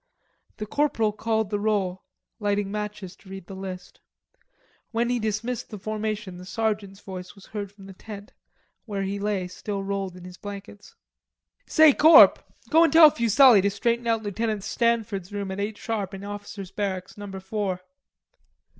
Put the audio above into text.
The corporal called the roll, lighting matches to read the list. When he dismissed the formation the sergeant's voice was heard from the tent, where he still lay rolled in his blankets. "Say, Corp, go an' tell Fuselli to straighten out Lieutenant Stanford's room at eight sharp in Officers' Barracks, Number Four."